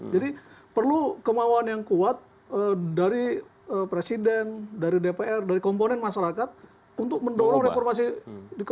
jadi perlu kemauan yang kuat dari presiden dari dpr dari komponen masyarakat untuk mendorong reformasi kepolisian